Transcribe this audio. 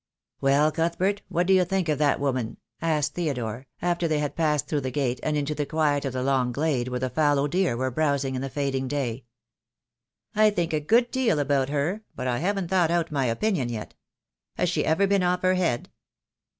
"Well, Cuthbert, what do you think of that woman?" asked Theodore, after they had passed through the gate, and into the quiet of the long glade where the fallow deer were browsing in the fading day. "I think a good deal about her, but I haven't thought out my opinion yet. Has she ever been off her head?"